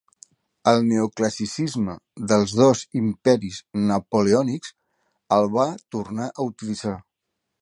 El neoclassicisme dels dos imperis napoleònics el va tornar a utilitzar.